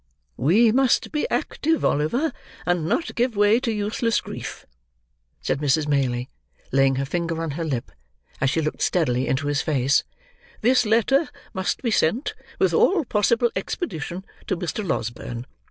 "We must be active, Oliver, and not give way to useless grief," said Mrs. Maylie, laying her finger on her lip, as she looked steadily into his face; "this letter must be sent, with all possible expedition, to Mr. Losberne.